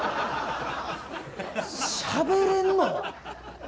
しゃべれんの！？